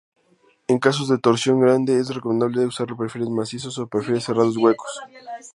En casos de torsión grande es recomendable usar perfiles macizos o perfiles cerrados huecos.